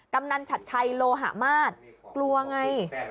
กำนันชัดชัยโลหะมาศกลัวไง